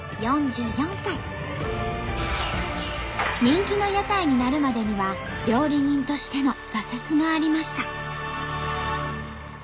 人気の屋台になるまでには料理人としての挫折がありました。